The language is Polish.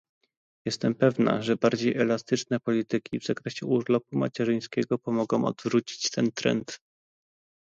Jestem pewna, że bardziej elastyczne polityki w zakresie urlopu macierzyńskiego pomogą odwrócić ten trend